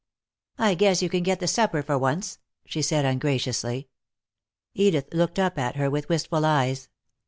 "I guess you can get the supper for once," she said ungraciously. Edith looked up at her with wistful eyes.